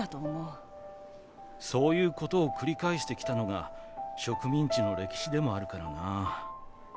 そういうことを繰り返してきたのが植民地の歴史でもあるからな。